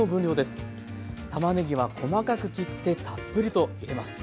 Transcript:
たまねぎは細かく切ってたっぷりと入れます。